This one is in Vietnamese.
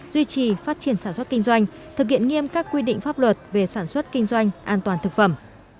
duy trì phát triển sản xuất kinh doanh thực hiện nghiêm các quy định pháp luật về sản xuất kinh doanh an toàn thực phẩm